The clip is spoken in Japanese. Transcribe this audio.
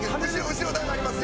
後ろ段ありますよ。